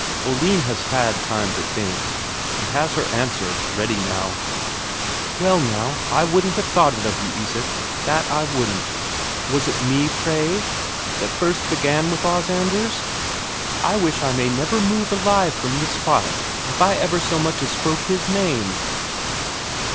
Oline has had time to think, and has her answer ready now. "Well, now, I wouldn't have thought it of you, Isak, that I wouldn't. Was it me, pray, that first began with Os Anders? I wish I may never move alive from this spot if I ever so much as spoke his name."